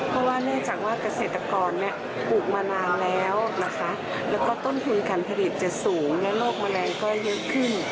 เพราะว่าเนื่องจากว่าเกษตรกรปลูกมานานแล้วนะคะแล้วก็ต้นทุนการผลิตจะสูงและโรคแมลงก็เยอะขึ้น